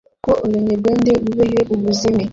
ko Ebenyerwende bubehe ubuzime